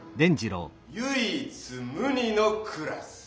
「唯一無二のクラス」！